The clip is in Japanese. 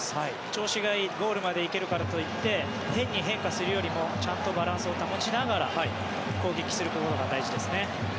調子がいいゴールまで行けるからといって変に変化するよりもちゃんとバランスを保ちながら攻撃することが大事ですね。